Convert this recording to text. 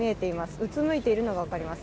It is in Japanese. うつむいているのが分かります。